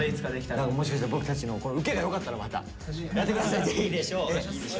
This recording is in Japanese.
もしかしたら僕たちのこれウケがよかったらまたやって下さいぜひ。